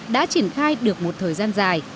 đã triển khai được một thời gian dài